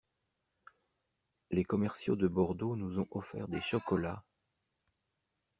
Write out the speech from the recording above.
Les commerciaux de Bordeaux nous ont offert des chocolats.